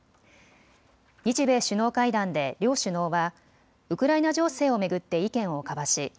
日米首脳会談で両首脳はウクライナ情勢を巡って意見を交わし